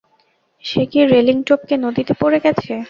সে কি রেলিং টপকে নদীতে পড়ে গেছে?